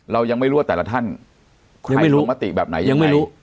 เรายังไม่รู้ตัดละท่านไม่รู้แบบนี้ยังไม่รู้